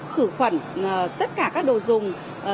khử khẩn tất cả các đồ dùng